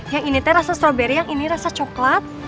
yang ini teh rasa stroberi yang ini rasa coklat